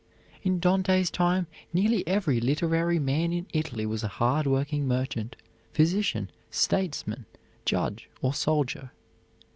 In Dante's time nearly every literary man in Italy was a hard working merchant, physician, statesman, judge, or soldier.